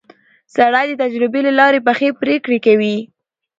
سړی د تجربې له لارې پخې پرېکړې کوي